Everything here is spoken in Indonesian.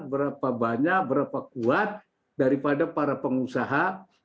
berapa banyak berapa kuat daripada para pengusaha